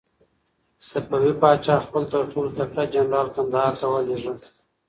صفوي پاچا خپل تر ټولو تکړه جنرال کندهار ته ولېږه.